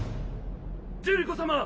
ジェリコ様！